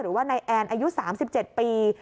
หรือว่านายแอนอายุ๓๗ปี